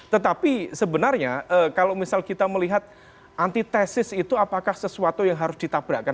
tetapi sebenarnya kalau misal kita melihat antitesis itu apakah sesuatu yang harus ditabrakkan